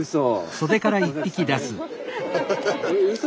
うそ！